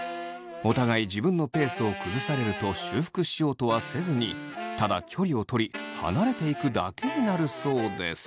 お互い自分のペースを崩されると修復しようとはせずにただ距離をとり離れていくだけになるそうです。